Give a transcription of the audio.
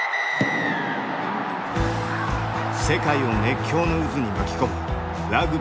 世界を熱狂の渦に巻き込むラグビーワールドカップ。